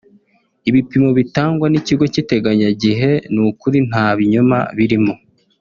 Ibipimo bitangwa n’ikigo cy’iteganya gihe ni ukuri nta binyoma birimo